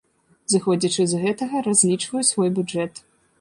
Зыходзячы з гэтага, разлічваю свой бюджэт.